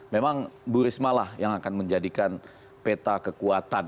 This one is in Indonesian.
memang bu risma lah yang akan menjadikan peta kekuatan